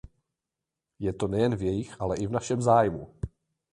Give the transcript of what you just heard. Je to nejen v jejich, ale i v našem zájmu.